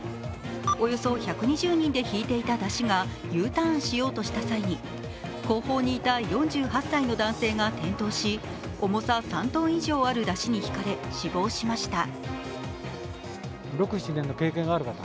およそ１２０人で引いていた山車がＵターンしようとした際に後方にいた４８歳の男性が転倒し重さ３ｔ以上ある山車にひかれ死亡しました。